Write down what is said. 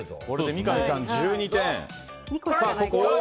三上さん１２点。